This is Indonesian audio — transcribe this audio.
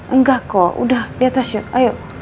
enggak kok udah di atas yuk ayo